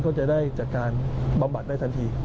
ก็จะได้จากการบำบัดได้ทันที